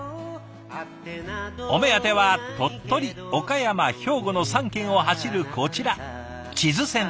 お目当ては鳥取岡山兵庫の３県を走るこちら智頭線。